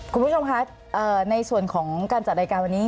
คุณผู้ชมคะในส่วนของการจัดรายการวันนี้